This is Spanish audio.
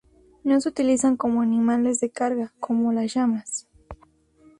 No se utilizan como animales de carga, como las llamas.